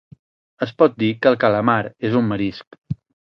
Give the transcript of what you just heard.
es pot dir que el calamar és un marisc